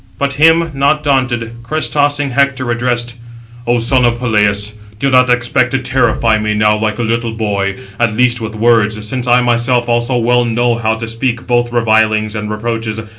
But him, not daunted, crest tossing Hector addressed: "O son of Peleus, do not expect to terrify me now like a little boy, at least with words; since I myself also well know how to speak both revilings and reproaches.